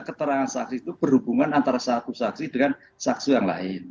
keterangan saksi itu berhubungan antara satu saksi dengan saksi yang lain